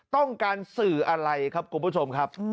ต้องการสื่ออะไรครับคุณผู้ชมครับ